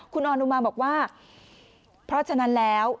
คุณอนุมาบอกว่าเพราะฉะนั้นแล้ว